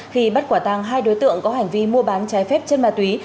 khi bắt quả tàng hai đối tượng có hành vi mua bán trái phép chân ma túy